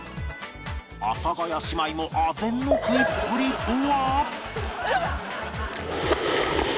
阿佐ヶ谷姉妹もあぜんの食いっぷりとは？